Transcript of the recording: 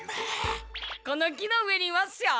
この木の上にいますよ。